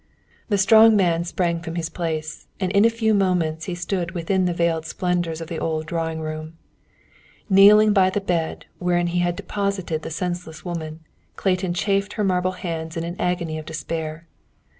The strong man sprang from his place, and in a few moments he stood within the veiled splendors of the old drawing room. Kneeling by the bed, wherein he had deposited the senseless woman, Clayton chafed her marble hands in an agony of despair.